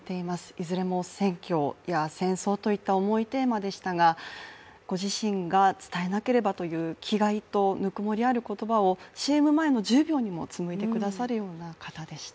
いずれも選挙や戦争といった、重いテーマでしたがご自身が伝えなければという気概とぬくもりある言葉をＣＭ前の１０秒にもつむいでくださるような方でした。